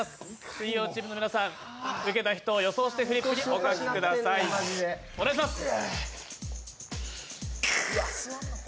水曜チームの皆さん、受けた人を予想してフリップにお書きください、お願いします。